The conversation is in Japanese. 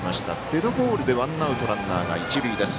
デッドボールでワンアウトランナー、一塁です。